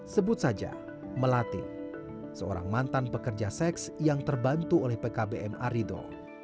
sebut saja melati seorang mantan pekerja seks yang terbantu oleh pkbm arido